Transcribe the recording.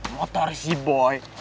motornya si boy